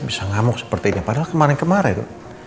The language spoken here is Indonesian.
bisa ngamuk sepertinya padahal kemarin kemarin